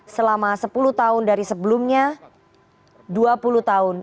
selama sepuluh tahun dari sebelumnya dua puluh tahun